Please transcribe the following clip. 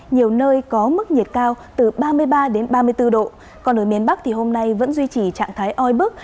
nhiều nơi có mức nhiệt cao từ ba mươi ba đến ba mươi bốn độ còn ở miền bắc thì hôm nay vẫn duy trì trạng thái oi bức